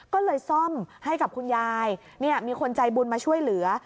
ก็เลยซ่อมให้กับคุณยายมีคนใจบุญมาช่วยเหลือ